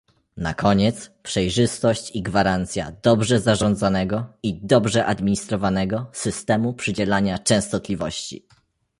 Na koniec, przejrzystość i gwarancja dobrze zarządzanego i dobrze administrowanego systemu przydzielania częstotliwości